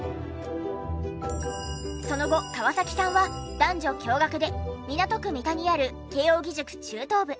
その後河崎さんは男女共学で港区三田にある慶應義塾中等部。